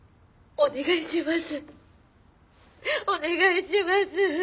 お願いします。